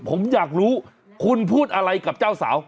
ผมอยากรู้คุณพูดอะไรกับเจ้าสาว